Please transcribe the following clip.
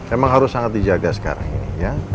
emang harus sangat dijaga sekarang ini ya